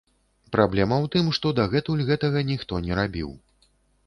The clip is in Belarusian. Праблема ў тым, што дагэтуль гэтага ніхто не рабіў.